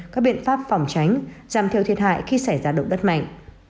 các biện pháp phòng tránh giảm thiêu thiệt hại khi xảy ra động đất mạnh